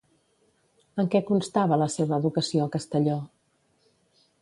En què constava la seva educació a Castelló?